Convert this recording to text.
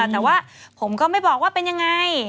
แต่ว่าผมก็ไม่บอกว่าเป็นยังไง